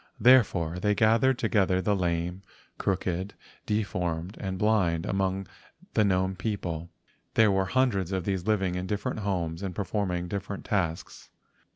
Therefore they gathered together the lame, crooked, de¬ formed, and blind among the gnome people. There were hundreds of these living in different homes, and performing different tasks.